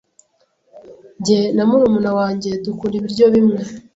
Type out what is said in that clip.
Jye na murumuna wanjye dukunda ibiryo bimwe.